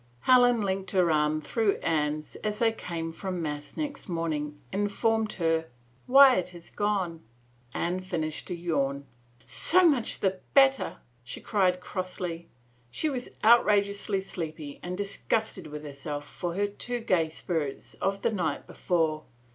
Helen, linking her arm through Anne's as they came from mass next morning, informed her, "Wyatt has gone." Anne finished a yawn. " So much the better,'* she cried crossly. She was outrageously sleepy and disgusted with herself for her too gay spirits of the night before.